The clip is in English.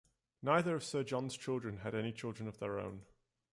Neither of Sir John's children had any children of their own.